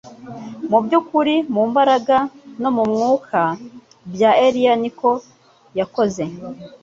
Mu by'ukuri mu mbaraga no :mu mwuka bya Eliya ni ko yakoze,